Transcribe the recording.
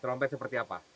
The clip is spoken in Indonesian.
trompet seperti apa